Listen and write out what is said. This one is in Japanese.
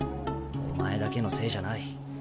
お前だけのせいじゃない。